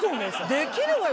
できる？